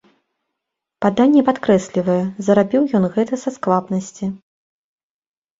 Паданне падкрэслівае, зарабіў ён гэта са сквапнасці.